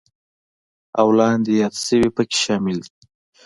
او لاندې یاد شوي پکې شامل دي: